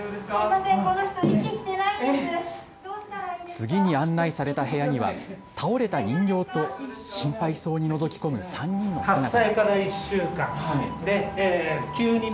次に案内された部屋には倒れた人形と心配そうにのぞき込む３人の姿が。